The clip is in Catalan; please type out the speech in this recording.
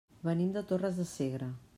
Venim de Torres de Segre.